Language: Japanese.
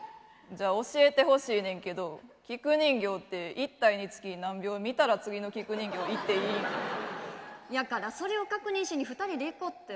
じゃあ教えてほしいねんけど菊人形って１体につき何秒見たら次の菊人形行っていいん？やからそれを確認しに２人で行こうって。